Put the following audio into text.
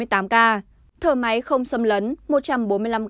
thở máy không xâm lấn